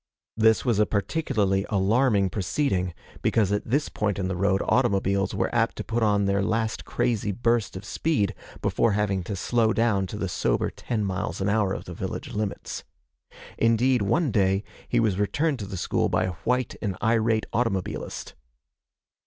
This was a particularly alarming proceeding, because at this point in the road automobiles were apt to put on their last crazy burst of speed, before having to slow down to the sober ten miles an hour of the village limits. Indeed, one day, he was returned to the school by a white and irate automobilist.